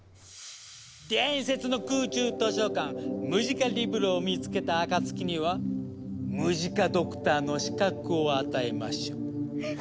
伝説の空中図書館ムジカリブロを見つけた暁にはムジカドクターの資格を与えましょう。